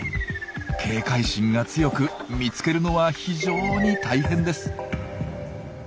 警戒心が強く見つけるのは非常に大変です。